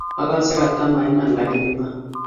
akase kata maiman lakini iman.